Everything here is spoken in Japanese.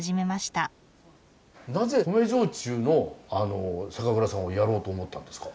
なぜ米焼酎の酒蔵さんをやろうと思ったんですか？